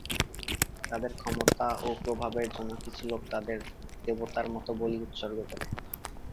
তাদের ক্ষমতা ও প্রভাবের জন্য কিছু লোক তাদের দেবতার মত বলি উৎসর্গ করে।